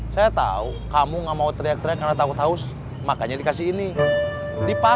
badan khususnya pada tahun dua waktu bahasa china